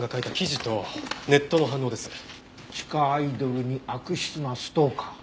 「地下アイドルに悪質なストーカー」